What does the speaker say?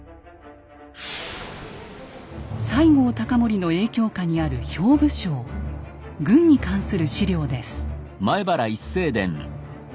西郷隆盛の影響下にある兵部省軍に関する史料です。